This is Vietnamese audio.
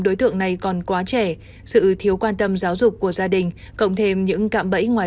đối tượng này còn quá trẻ sự thiếu quan tâm giáo dục của gia đình cộng thêm những cạm bẫy ngoài